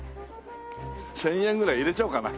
１０００円ぐらい入れちゃおうかな。